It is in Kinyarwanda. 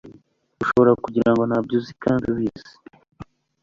ushobora kugirango nta byo uzi kandi ubizi,